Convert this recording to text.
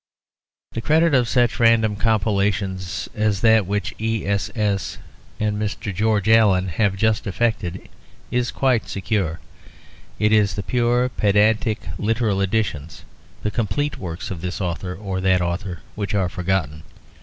The credit of such random compilations as that which "E.S.S." and Mr. George Allen have just effected is quite secure. It is the pure, pedantic, literal editions, the complete works of this author or that author which are forgotten.